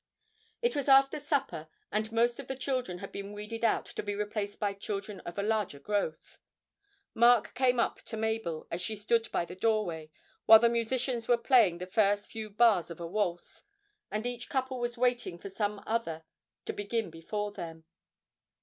It was after supper, and most of the children had been weeded out to be replaced by children of a larger growth. Mark came up to Mabel as she stood by the doorway while the musicians were playing the first few bars of a waltz, and each couple was waiting for some other to begin before them.